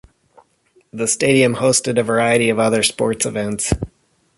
The stadium hosted a variety of other sports events.